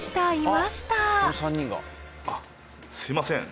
すいません。